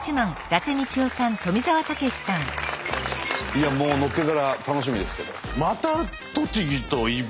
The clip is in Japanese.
いやもうのっけから楽しみですけど。